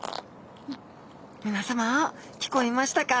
皆さま聞こえましたか？